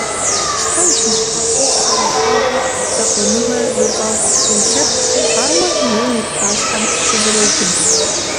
Щхьэж и щхьэ Ӏуэху зэрихуэжу, закъуэныгъэр зыфӀэфӀ ткӀий лъэпкъщ, ауэ ем и пащхьэм щызэроубыд.